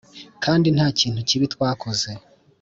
Kandi nta kintu kibi twakoze